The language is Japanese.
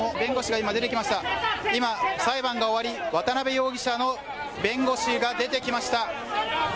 今、裁判が終わり、渡辺容疑者の弁護士が出てきました。